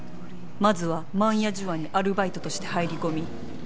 まずは万屋寿庵にアルバイトとして入り込み